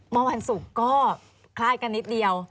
เมื่อวันศุกร์ก็คลาดกันนิดเดียว